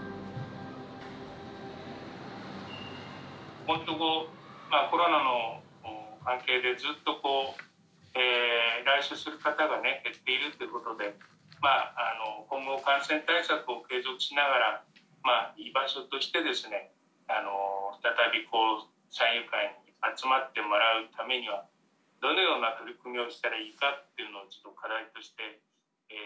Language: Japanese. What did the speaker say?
「ここんとこコロナの関係でずっとこう来所する方がね減っているってことでまああの今後感染対策を継続しながらまあ居場所としてですね再び山友会に集まってもらうためにはどのような取り組みをしたらいいかっていうのを課題として」。